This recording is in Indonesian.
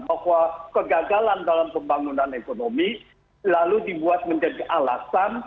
bahwa kegagalan dalam pembangunan ekonomi lalu dibuat menjadi alasan